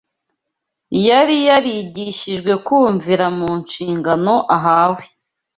Yari yarigishijwe kumvira mu nshingano ahawe.